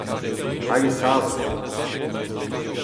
Hag e savas.